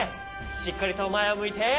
しっかりとまえをむいて！